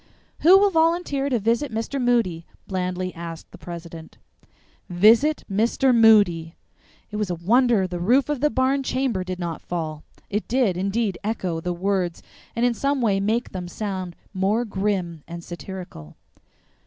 "Who will volunteer to visit Mr. Moody?" blandly asked the president. VISIT MR. MOODY! It was a wonder the roof of the barn chamber did not fall; it did, indeed echo the words and in some way make them sound more grim and satirical.